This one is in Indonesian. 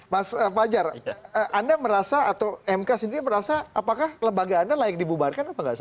mas fajar anda merasa atau mk sendiri merasa apakah lembaga anda layak dibubuhkan